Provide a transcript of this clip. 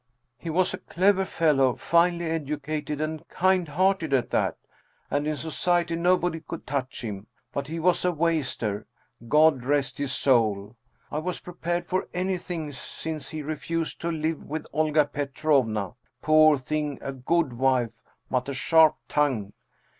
" He was a clever fellow, finely educated, and kind hearted at that ! And in society, nobody could touch him ! But he was a waster, God rest his soul ! I was prepared for any thing since he refused to live with Olga Petrovna. Poor thing, a good wife, but a sharp tongue